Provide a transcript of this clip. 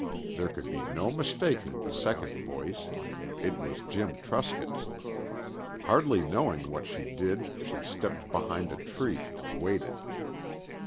There could be no mistaking the second voice. It was Jim Truscott's. Hardly knowing what she did, she stepped behind a tree and waited.